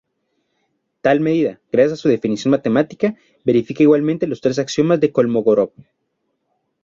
Tal medida, gracias a su definición matemática, verifica igualmente los tres axiomas de Kolmogórov.